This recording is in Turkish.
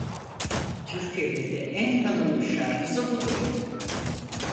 Türkiye'de de en tanınmış şarkısı budur.